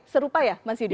serupa ya mas sidi